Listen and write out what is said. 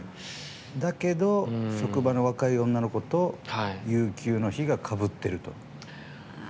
だけど、職場の若い女の子と有給の日がかぶっていると。